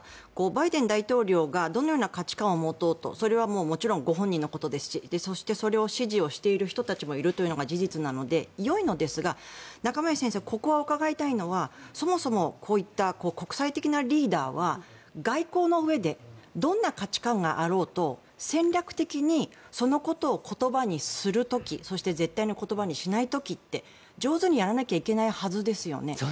バイデン大統領がどのような価値観を持とうとそれはもちろんご本人のことですしそして、それを支持する人たちがいるというのも事実なのでよいのですが中林先生、ここを伺いたいのがそもそもこういった国際的なリーダーは外交のうえでどんな価値観があろうと戦略的にそのことを言葉にする時そして絶対に言葉にしない時って上手にやらなきゃいけないはずですよね。